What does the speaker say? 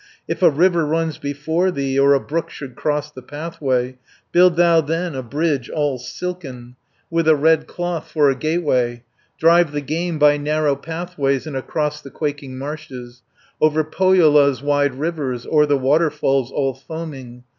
"If a river runs before thee, Or a brook should cross the pathway, Build thou then a bridge all silken, With a red cloth for a gateway; Drive the game by narrow pathways, And across the quaking marshes, 210 Over Pohjola's wide rivers, O'er the waterfalls all foaming.